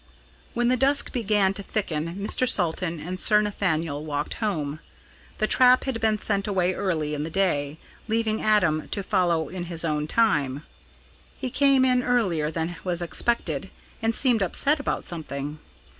When the dusk began to thicken, Mr. Salton and Sir Nathaniel walked home the trap had been sent away early in the day leaving Adam to follow in his own time. He came in earlier than was expected, and seemed upset about something.